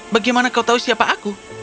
bagaimana kau tahu siapa aku